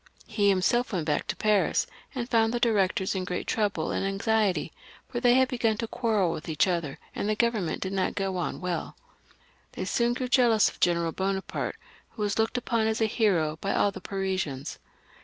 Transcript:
He himself went back to Paris, and found the Directors in great trouble and anxiety, for they had begun to quarrel with each other, and the Govern ment did not go on well They soon grew jealous of General Bonaparte, who was looked upon as a hero by all 426 DIRECTORY AND CONSULATE. [CH. the Parisians.